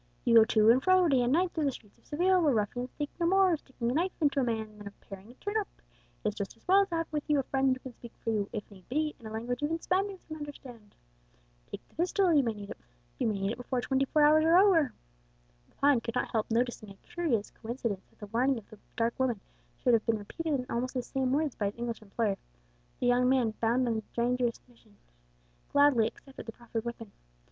"You go to and fro day and night through these streets of Seville, where ruffians think no more of sticking a knife into a man than of paring a turnip; it's just as well to have with you a friend who can speak for you, if need be, in a language even Spaniards can understand. Take the pistol; you may need it before twenty four hours are over." Lepine could not help noting as a curious coincidence that the warning of the dark woman should be repeated in almost the same words by his English employer. The young man, bound on a dangerous mission, gladly accepted the proffered weapon.